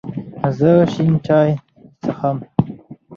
زه شین چای څښم